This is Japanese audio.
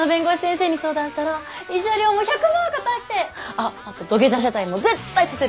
あっあと土下座謝罪も絶対させるって。